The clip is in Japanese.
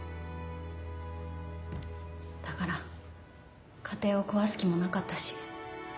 だから家庭を壊す気もなかったし。